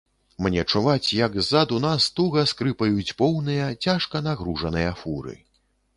Мне чуваць, як ззаду нас туга скрыпаюць поўныя, цяжка нагружаныя фуры.